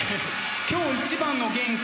今日一番の元気。